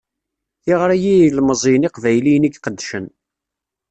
Tiɣri i yilmeẓyen iqbayliyen i iqeddcen.